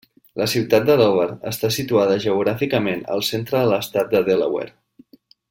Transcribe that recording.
La ciutat de Dover està situada geogràficament al centre de l'estat de Delaware.